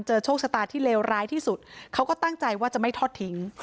โชคชะตาที่เลวร้ายที่สุดเขาก็ตั้งใจว่าจะไม่ทอดทิ้ง